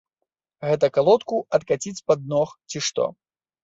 Гэта калодку адкаціць з-пад ног, ці што?